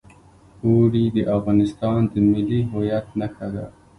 اوړي د افغانستان د ملي هویت نښه ده.